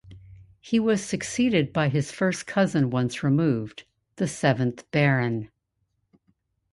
He was succeeded by his first cousin once removed, the seventh Baron.